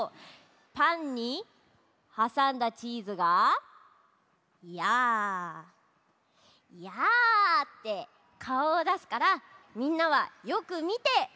パンにはさんだチーズが「やあやあ」ってかおをだすからみんなはよくみてまねをしてね。